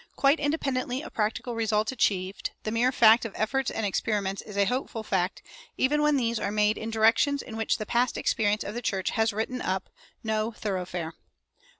Quite independently of practical results achieved, the mere fact of efforts and experiments is a hopeful fact, even when these are made in directions in which the past experience of the church has written up "No Thoroughfare."